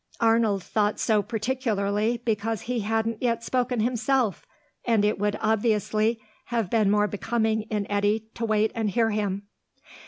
Arnold thought so particularly because he hadn't yet spoken himself, and it would obviously have been more becoming in Eddy to wait and hear him.